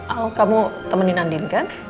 al kamu temenin andin kan